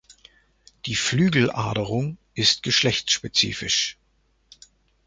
Die Flügeladerung ist geschlechtsspezifisch.